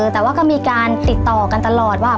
แต่ว่าก็มีการติดต่อกันตลอดว่า